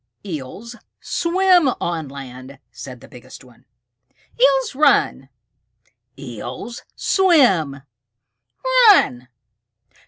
"Eels swim on land," said the biggest one. "Eels run!" "Eels swim!" "Run!"